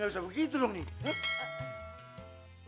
gak bisa begitu dong nih